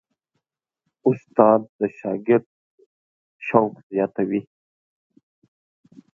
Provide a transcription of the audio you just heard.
استاد د شاګرد شوق زیاتوي.